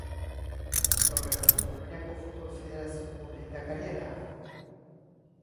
Gaur egun Poloniako Futbol Federazioko lehendakaria da.